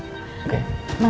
nah iya udah masuk